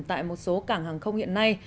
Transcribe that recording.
tại một số cảng hàng không hiện nay